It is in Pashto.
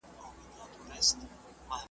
چي د هر شعر په لیکلو به یې ډېر زیات وخت .